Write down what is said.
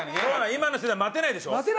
今の人じゃ待てないでしょ？